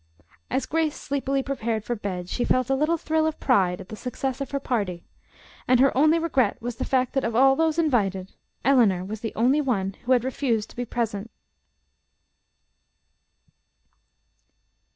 As Grace sleepily prepared for bed, she felt a little thrill of pride at the success of her party, and her only regret was the fact that of all those invited, Eleanor was the only one who had refused to be present.